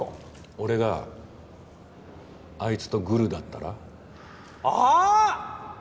俺があいつとグルだったら？あーっ！